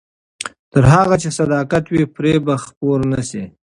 تر هغه چې صداقت وي، فریب به خپور نه شي.